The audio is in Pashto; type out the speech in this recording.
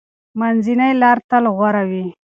منځنۍ لار تل غوره وي.